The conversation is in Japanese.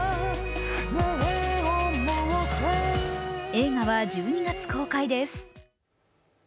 映画は１２月公開です。